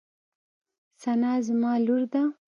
ثنا زما لور ده.